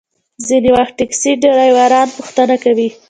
ځینې وخت ټکسي ډریوران پوښتنه کوي.